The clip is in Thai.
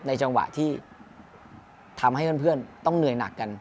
จังหวะที่ทำให้เพื่อนต้องเหนื่อยหนักกัน